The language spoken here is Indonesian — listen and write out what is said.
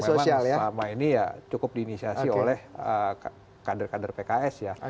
kampanye ini yang memang selama ini ya cukup diinisiasi oleh kader kader pks ya